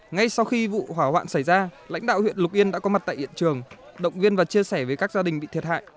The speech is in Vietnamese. ngay sau khi vụ hỏa hoạn xảy ra lãnh đạo huyện lục yên đã có mặt tại hiện trường động viên và chia sẻ với các gia đình bị thiệt hại